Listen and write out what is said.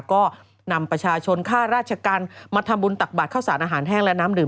ก็นำประชาชนค่าราชการมาทำบุญตักบาทข้าวสารอาหารแห้งและน้ำดื่ม